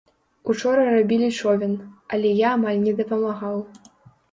Учора рабілі човен, але я амаль не дапамагаў.